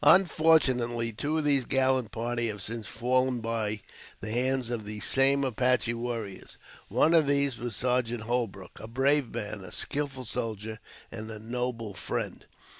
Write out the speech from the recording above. Unfortunately, two of this gallant party have since fallen by the hands of these same Apache warriors. One of these was Sergeant Holbrook, a brave man, a skillful soldier and a noble friend.